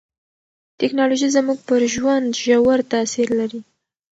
ټکنالوژي زموږ پر ژوند ژور تاثیر لري.